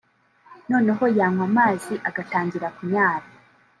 noneho yanywa amazi agatangira kunyara